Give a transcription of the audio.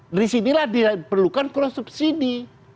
di sini lah diperlukan cross subsidi